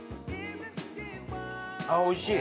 あっおいしい！